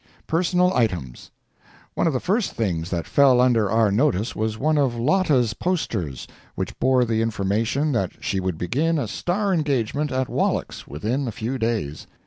Personal Items. One of the first things that fell under our notice was one of Lotta's posters, which bore the information that she would begin a star engagement at Wallack's within a few days.